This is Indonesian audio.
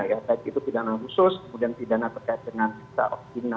tidak hanya pidana khusus kemudian pidana terkait dengan jahatan luar biasa